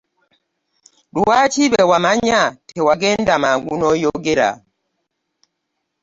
Lwaki bwe wamanya tewagenda mangu n'oyogera?